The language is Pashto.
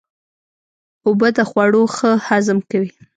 اوبه د خوړو ښه هضم کوي.